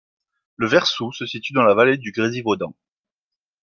Le Versoud se situe dans la vallée du Grésivaudan.